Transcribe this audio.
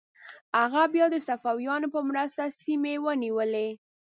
هغه بیا د صفویانو په مرسته سیمې ونیولې.